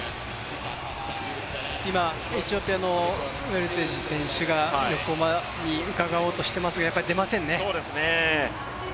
今、エチオピアのウェルテジ選手が横に出ようとしていますが、まだ出ませんね。